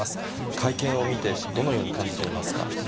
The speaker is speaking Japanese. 会見を見て、どのように感じていますか。